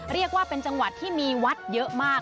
เรียกว่าเป็นจังหวัดที่มีวัดเยอะมาก